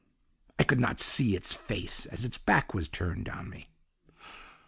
"'I could not see its face as its back was turned on me.